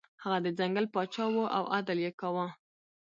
هغه د ځنګل پاچا و او عدل یې کاوه.